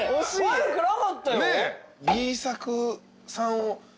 悪くなかったよ。